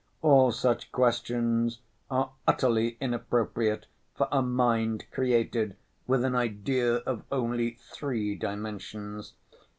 All such questions are utterly inappropriate for a mind created with an idea of only three dimensions.